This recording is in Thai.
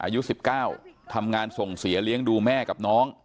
อายุ๑๙ทำงานส่งเสียเลี้ยงดูแม่กับน้อง